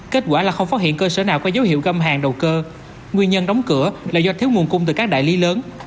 kết quả là không phát hiện cơ sở nào có dấu hiệu găm hàng đầu cơ nguyên nhân đóng cửa là do thiếu nguồn cung từ các đại lý lớn